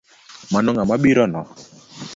Mano ng’a mabirono?